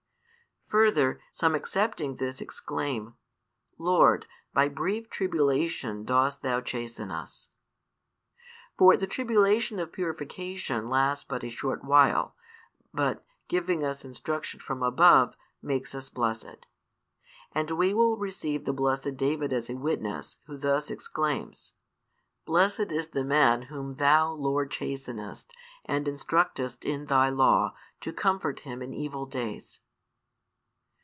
Further, some accepting this exclaim: Lord, by brief tribulation dost Thou chasten us; for the tribulation of purification lasts but a short while, but, giving us instruction from above, makes us blessed. And we will receive the blessed David as a witness, who thus exclaims: Blessed is the man whom Thou, Lord, chastenest, and instructest in Thy law, to comfort him in evil days.